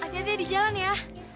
hati hati di jalan ya